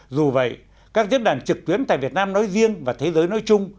dù vậy các diễn đàn trực tuyến tại việt nam nói riêng và thế giới nói chung